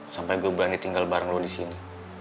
sampai gue berani tinggal bareng lo di sini